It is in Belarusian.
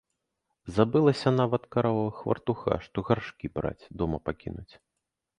Забылася нават каравага хвартуха, што гаршкі браць, дома пакінуць.